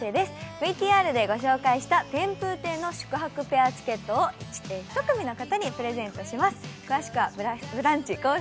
ＶＴＲでご紹介した天風邸の宿泊ペアチケットを１組の方にプレゼントします。